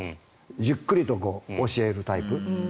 じっくりと教えるタイプ。